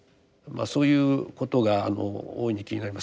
そういうことがあの大いに気になります。